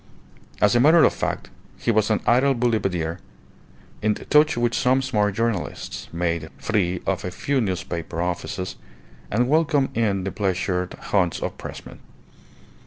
As a matter of fact, he was an idle boulevardier, in touch with some smart journalists, made free of a few newspaper offices, and welcomed in the pleasure haunts of pressmen.